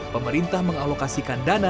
pemerintah mengalokasikan dikontrol